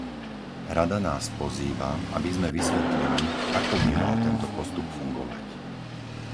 Rada nás pozýva, aby sme vysvetlili, ako by mal tento postup fungovať.